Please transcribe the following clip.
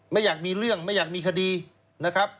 ไม่อยากมีเรื่องไม่อยากมีคดีนะครับ